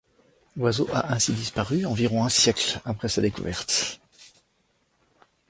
L'oiseau a ainsi disparu environ un siècle après sa découverte.